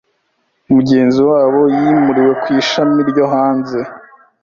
Mugenzi wabo yimuriwe ku ishami ryo hanze.